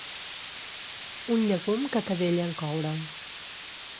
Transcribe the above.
Un llegum que cadella en coure'l.